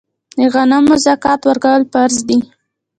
د غنمو زکات ورکول فرض دي.